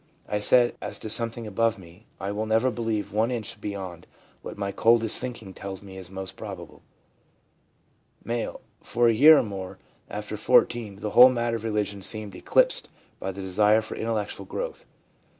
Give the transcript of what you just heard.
I said, as to something above me, I will never believe one inch beyond what my coldest thinking tells me is most probable/ M. ' For a year or more after 14 the whole matter of religion seemed eclipsed by the desire for intellectual growth/ M.